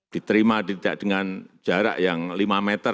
diterima tidak dengan jarak yang lima meter